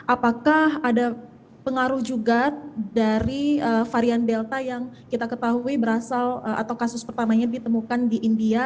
apakah ada pengaruh juga dari varian delta yang kita ketahui berasal atau kasus pertamanya ditemukan di india